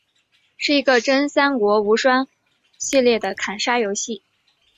是一个真三国无双系列的砍杀游戏。